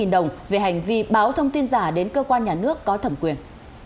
bảy trăm năm mươi đồng về hành vi báo thông tin giả đến cơ quan nhà nước có thẩm quyền